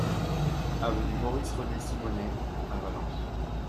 Avenue Maurice René Simonet à Valence